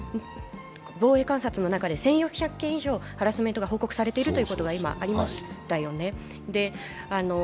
防衛監察の中で１４００件以上、ハラスメントが報告されているということがありましたよね。